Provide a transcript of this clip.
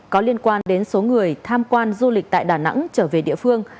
có liên quan đến số người tham quan du lịch tại đà nẵng trở về địa phương